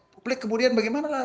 publik kemudian bagaimana